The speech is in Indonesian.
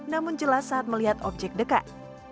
namun jelas saat melihat objek dekat